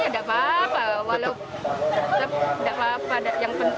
udah berapa hari gak dapet gas